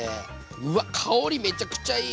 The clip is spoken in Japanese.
うわっ香りめちゃくちゃいい！